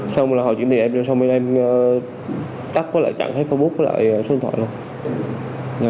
xong rồi là họ chuyển tiền em cho xong bên em tắt hết facebook lại số điện thoại